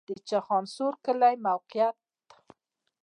د چخانسور کلی موقعیت